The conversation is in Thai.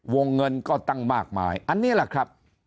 วงเงินก็ตั้งมากมายอันนี้แหละครับ